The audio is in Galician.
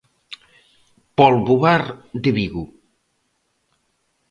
Polbo Bar de Vigo.